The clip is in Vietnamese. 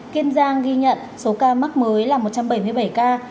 kiên giang ghi nhận số ca mắc mới là một trăm bảy mươi bảy ca